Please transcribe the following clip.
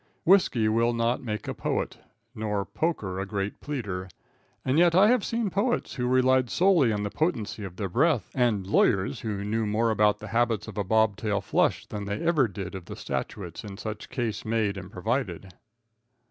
Whisky will not make a poet, nor poker a great pleader. And yet I have seen poets who relied solely on the potency of their breath, and lawyers who knew more of the habits of a bob tail flush than they ever did of the statutes in such case made and provided.